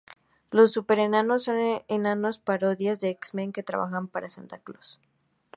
Los Súper Enanos son enanos parodias de X-Men que trabajan para Santa Claus.